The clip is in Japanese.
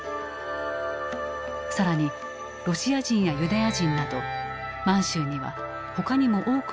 さらにロシア人やユダヤ人など満州には他にも多くの民族がいた。